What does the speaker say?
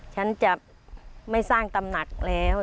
ฉันจะไม่สร้างตำหนักแล้ว